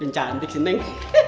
neng cantik sih neng